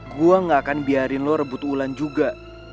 gue gak akan biarin lo rebut ulan juga